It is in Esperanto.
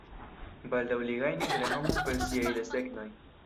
Baldaŭ li gajnis renomon per siaj desegnoj.